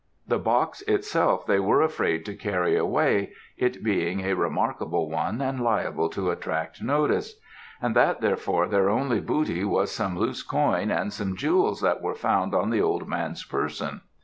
The box itself they were afraid to carry away, it being a remarkable one and liable to attract notice; and that therefore their only booty was some loose coin and some jewels that were found on the old man's person.